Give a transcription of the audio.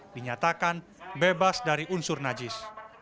dinyatakan bebas dari unsur najis